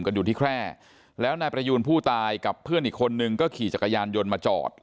กันอยู่ที่แคร่แล้วนายประยูนผู้ตายกับเพื่อนอีกคนนึงก็ขี่จักรยานยนต์มาจอด